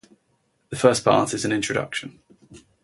The first part is an introduction.